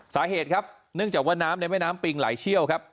สาเหตุครับเนื่องจากว่าน้ำในแม่น้ำปิงไหลเชี่ยวครับ